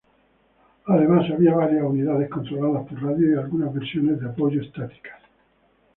Además, había varias unidades controladas por radio y algunas versiones de apoyo estáticas.